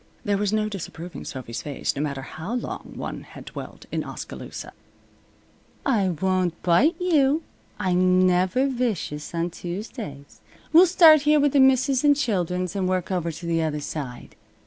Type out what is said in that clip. There was no disapproving Sophy's face, no matter how long one had dwelt in Oskaloosa. "I won't bite you," said Sophy. "I'm never vicious on Tuesdays. We'll start here with the misses' an' children's, and work over to the other side."